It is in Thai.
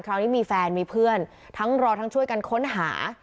คราวนี้มีแฟนมีเพื่อนทั้งรอทั้งช่วยกันค้นหา